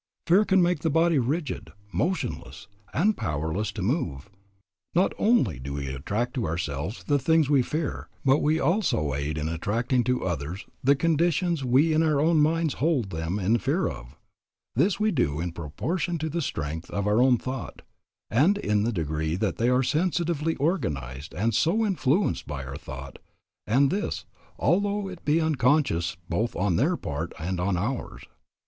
Fear can make the body rigid, motionless, and powerless to move. Not only do we attract to ourselves the things we fear, but we also aid in attracting to others the conditions we in our own minds hold them in fear of. This we do in proportion to the strength of our own thought, and in the degree that they are sensitively organized and so influenced by our thought, and this, although it be unconscious both on their part and on ours.